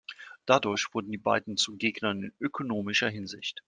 Dadurch wurden die beiden zu Gegnern in ökonomischer Hinsicht.